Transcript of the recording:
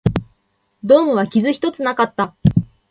ドームは傷一つなかった